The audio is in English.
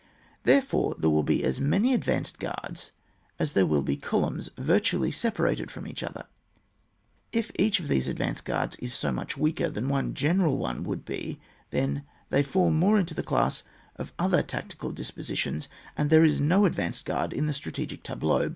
Therefore there will be as many advanced guards, as there are columns virtually separated from each other ; if each of these advanced gpiards is much weaker than one general one would be, then they fall more into the class of other tactical dispositions, and there is no advanced guwi in the strategic tableau.